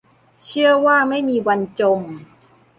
เชื่อว่าไม่มีวันจม